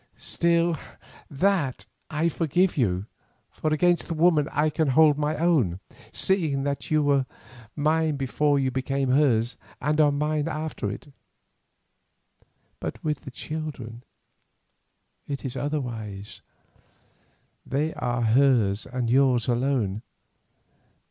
Still, that I forgive you, for against this woman I can hold my own, seeing that you were mine before you became hers, and are mine after it. But with the children it is otherwise. They are hers and yours alone.